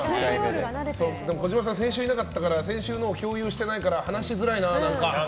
児嶋さんは先週はいなかったから先週のを共有できないから話しづらいな。